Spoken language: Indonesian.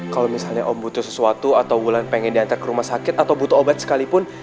kalau misalnya om butuh sesuatu atau bulan pengen diantar ke rumah sakit atau butuh obat sekalipun